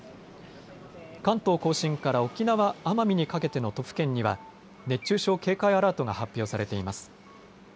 関東甲信から沖縄・奄美にかけての都府県には熱中症警戒アラートが発表されています。